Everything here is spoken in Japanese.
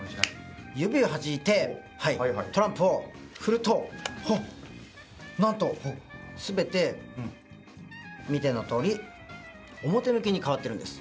指をはじいてトランプを振るとハッなんとすべて見てのとおり表向きに変わってるんです